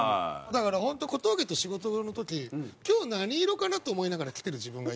だから本当小峠と仕事の時今日何色かな？と思いながら来てる自分がいて。